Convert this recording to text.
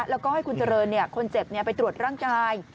แล้วก็ให้คุณเจริญคนเจ็บไปตรวจร่างกาย